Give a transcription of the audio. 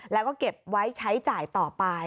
แล้วก็เก็บไว้ใช้จ่ายต่อไป